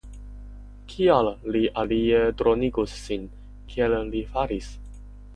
Kial li alie dronigus sin, kiel li faris?